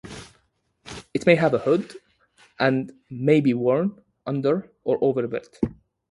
It may have a hood, and may be worn under or over a belt.